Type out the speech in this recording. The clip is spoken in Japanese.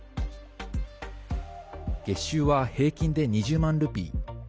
月収は平均で２０万ルピー。